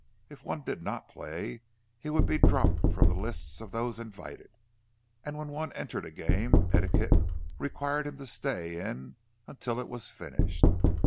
If one did not play, he would be dropped from the lists of those invited; and when one entered a game, etiquette required him to stay in until it was finished.